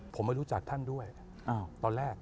ผมไม่รู้จักท่านด้วยตอนแรก